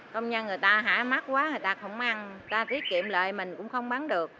công nhân người ta hãi mắc quá người ta không ăn người ta tiết kiệm lợi mình cũng không bán được